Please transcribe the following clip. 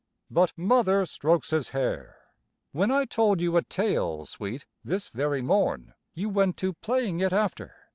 But Mother strokes his hair. "When I told you a tale, sweet, this very morn, you went to playing it after.